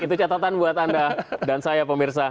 itu catatan buat anda dan saya pemirsa